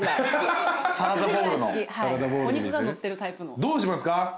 どうしますか？